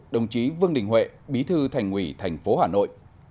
đồng chí vương đình huệ bí thư thành quỷ tp hà nội